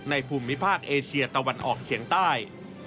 ภูมิภาคเอเชียตะวันออกเฉียงใต้